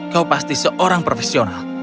kau pasti seorang profesional